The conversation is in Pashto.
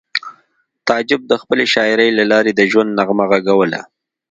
تعجب د خپلې شاعرۍ له لارې د ژوند نغمه غږوله